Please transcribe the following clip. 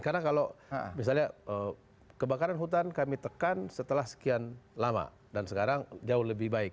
karena kalau misalnya kebakaran hutan kami tekan setelah sekian lama dan sekarang jauh lebih baik